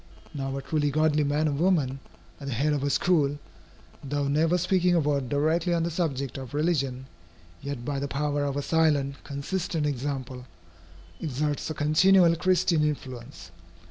Now a truly godly man or woman, at the head of a school, though never speaking a word directly on the subject of religion, yet by the power of a silent, consistent example, exerts a continual Christian influence.